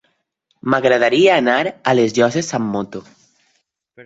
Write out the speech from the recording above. M'agradaria anar a les Llosses amb moto.